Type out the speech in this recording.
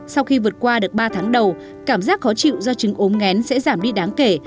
sau khi vượt qua được ba tháng đầu cảm giác khó chịu do trứng ốm ngén sẽ giảm đi đáng kể